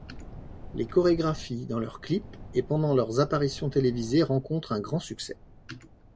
Les chorégraphies dans leurs clips et pendant leurs apparitions télévisées rencontrent un grand succès.